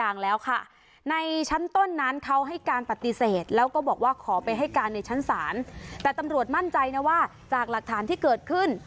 แต่ตำรวจมั่นใจนะว่าจากหลักฐานที่เกิดขึ้น